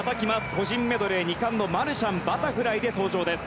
個人メドレー２冠のマルシャンバタフライで登場です。